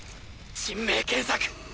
人命検索